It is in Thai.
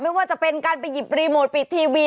ไม่ว่าจะเป็นการไปหยิบรีโมทปิดทีวี